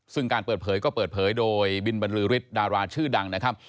ซึ่งการเปิดเผยก็เปิดเผยโดยบินบรรลือฤทธิ์ดาราชื่อดังนะครับ